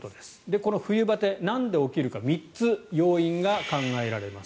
この冬バテ、なんで起きるか３つ要因が考えられます。